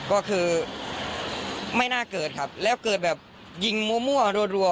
ก็คือไม่น่าเกิดครับแล้วเกิดแบบยิงมั่วรัว